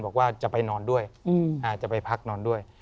บอกว่าจะไปนอนด้วยอาจจะไปพักนอนด้วย